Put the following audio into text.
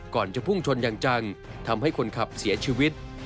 จะพุ่งชนอย่างจังทำให้คนขับเสียชีวิต